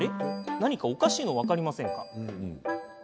何かおかしいの分かりませんか？